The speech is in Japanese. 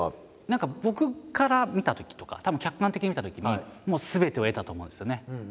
何か僕から見たときとかたぶん客観的に見たときにもうすべてを得たと思うんですよね。